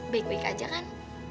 baik baik aja kan